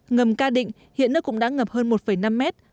ngầm ca định hiện nơi cũng đã ngập hơn một năm mét